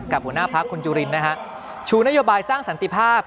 หัวหน้าพักคุณจุลินนะฮะชูนโยบายสร้างสันติภาพ